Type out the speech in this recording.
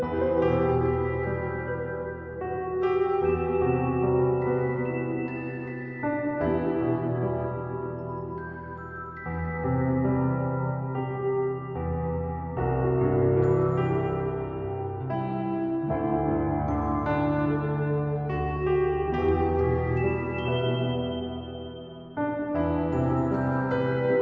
kepala staf angkatan laut